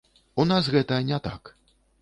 У нас гэта не так.